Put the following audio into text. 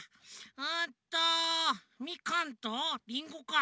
うんとミカンとリンゴか。